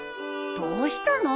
どうしたの？